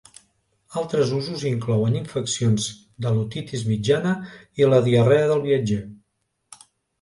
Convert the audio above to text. Altres usos inclouen infeccions de l'otitis mitjana i la diarrea del viatger.